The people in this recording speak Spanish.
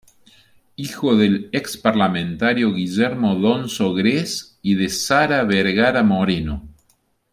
Hijo del ex parlamentario Guillermo Donoso Grez y de Sara Vergara Moreno.